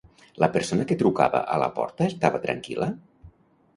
La persona que trucava a la porta estava tranquil·la?